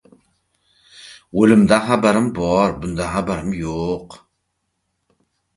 — O‘limdan xabarim bor, bundan xabarim yo‘q!